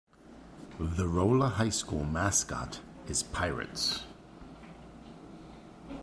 The Rolla High School mascot is Pirates.